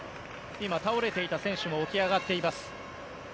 今、倒れていた選手も起き上がっています。